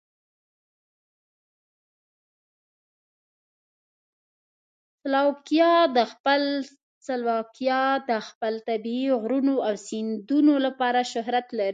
سلواکیا د خپل طبیعي غرونو او سیندونو لپاره شهرت لري.